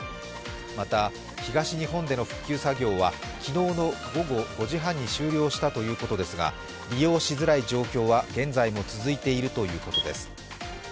また、東日本での復旧作業は昨日の午後５時半に終了したということですが利用しづらい状況は現在も続いているということです。